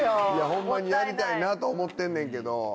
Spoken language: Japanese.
ホンマにやりたいなと思ってんねんけど。